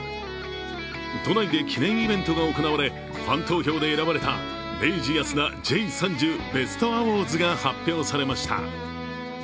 都内で記念イベントが行われファン投票で選ばれた明治安田Ｊ３０ベストアウォーズが発表されました。